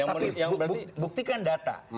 tapi buktikan data